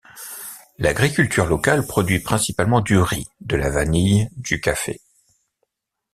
L'agriculture locale produit principalement du riz, de la vanille, du café...